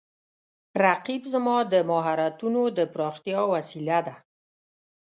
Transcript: رقیب زما د مهارتونو د پراختیا وسیله ده